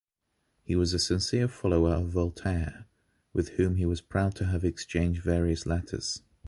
He was a sincere follower of Voltaire, with whom he was proud to have exchanged various letters.